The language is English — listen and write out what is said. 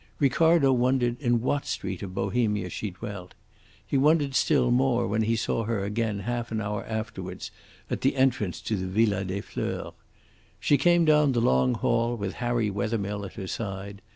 Ricardo wondered in what street of Bohemia she dwelt. He wondered still more when he saw her again half an hour afterwards at the entrance to the Villa des Fleurs. She came down the long hall with Harry Wethermill at her side.